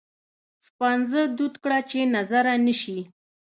سپانځه دود کړه چې نظره نه شي.